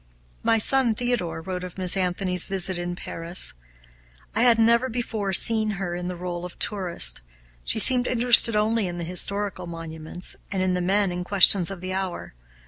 My son Theodore wrote of Miss Anthony's visit in Paris: "I had never before seen her in the role of tourist. She seemed interested only in historical monuments, and in the men and questions of the hour.